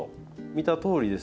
見たとおりですね